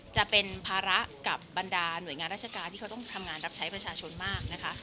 จะเป็นภาระกับบรรดาหน่วยงานราชการที่เขาต้องทำงานรับใช้ประชาชนมากนะคะ